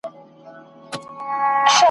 « ته به ښه سړی یې خو زموږ کلی مُلا نه نیسي» ..